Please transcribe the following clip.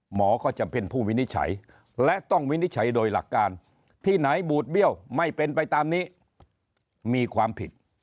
หมอก็จะเป็นผู้วินิจฉัยและต้องวินิจฉัยโดยหลักการที่ไหนบูดเบี้ยวไม่เป็นไปตามนี้มีความผิด